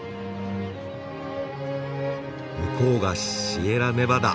向こうがシエラネバダ。